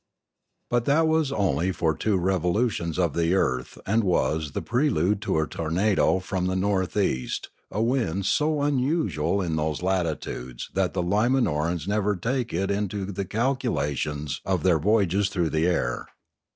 But that was only for two revolutions of the earth and was the prelude to a tornado from the north east, a wind so unusual in those latitudes that the Lima norans never take it into the calculations of their voy ages through the air.